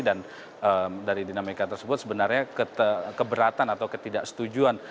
dan dari dinamika tersebut sebenarnya keberatan atau ketidaksetujuan